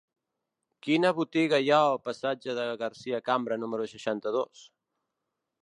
Quina botiga hi ha al passatge de Garcia Cambra número seixanta-dos?